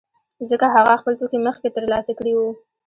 ځکه هغه خپل توکي مخکې ترلاسه کړي وو